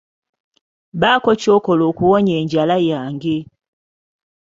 Bako kyokola okuwonya enjala yange.